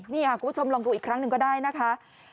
นี่ค่ะคุณผู้ชมลองดูอีกครั้งหนึ่งก็ได้นะคะ